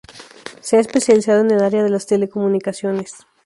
Se ha especializado en el área de las telecomunicaciones.